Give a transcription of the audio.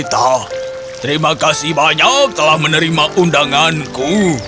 terima kasih banyak telah menerima undanganku